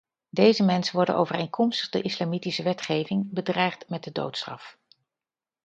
Deze mensen worden overeenkomstig de islamitische wetgeving bedreigd met de doodstraf.